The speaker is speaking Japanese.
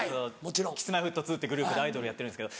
Ｋｉｓ−Ｍｙ−Ｆｔ２ってグループでアイドルやってるんですけど。